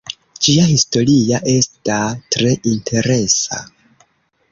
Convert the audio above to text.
Ĝia historia esta tre interesa.